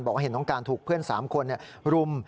เห็นน้องการถูกเพื่อน๓คนรุม